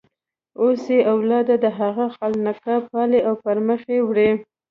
اوس یې اولاده دغه خانقاه پالي او پر مخ یې وړي.